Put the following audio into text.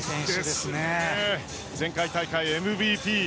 前回大会ＭＶＰ